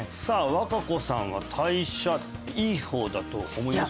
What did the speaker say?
和歌子さんは代謝いい方だと思います？